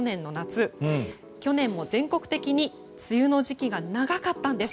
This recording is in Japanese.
去年も全国的に梅雨の時期が長かったんです。